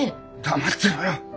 黙ってろよ！